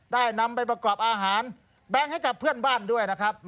นำไปประกอบอาหารแบงค์ให้กับเพื่อนบ้านด้วยนะครับ